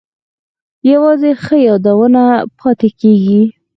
یوازې ښه یادونه پاتې کیږي؟